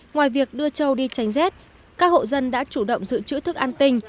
ngoài việc đưa trâu đi tránh rét các hộ dân đã chủ động giữ chữ thức an tình